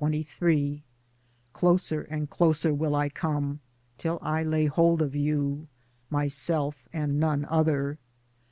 XXIII Closer and closer will I come, till I lay hold of you — myself and none other.